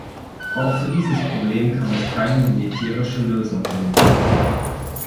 Auch für dieses Problem kann es keine militärische Lösung geben.